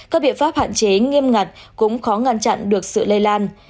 các biện pháp hạn chế nghiêm ngặt cũng khó ngăn chặn được sự lây lan